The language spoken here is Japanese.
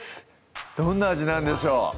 どんな味なんでしょう？